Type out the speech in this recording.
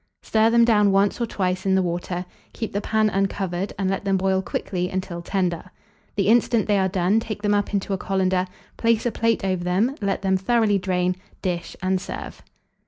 Stir them down once or twice in the water, keep the pan uncovered, and let them boil quickly until tender. The instant they are done, take them up into a colander, place a plate over them, let them thoroughly drain, dish, and serve.